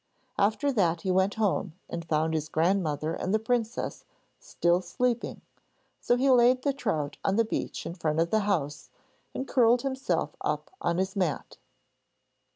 After that he went home and found his grandmother and the princess still sleeping, so he laid the trout on the beach in front of the house and curled himself up on his mat.